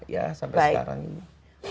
ya sampai sekarang ini